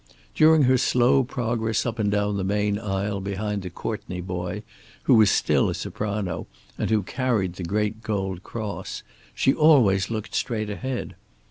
During her slow progress up and down the main aisle behind the Courtney boy, who was still a soprano and who carried the great gold cross, she always looked straight ahead.